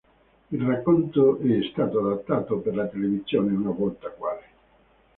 Il racconto è stato adattato per la televisione una volta, quale